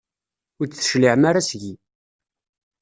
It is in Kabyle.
Ur d-tecliɛem ara seg-i.